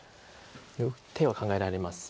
抜く手は考えられます。